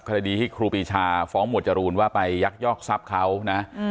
คดีที่ครูปีชาฟ้องหมวดจรูนว่าไปยักยอกทรัพย์เขานะ